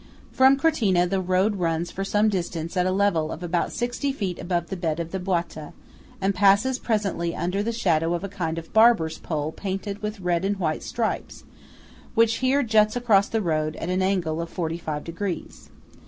From Cortina, the road runs for some distance at a level of about sixty feet above the bed of the Boita, and passes presently under the shadow of a kind of barber's pole painted with red and white stripes, which here juts across the road at an angle of forty five degrees.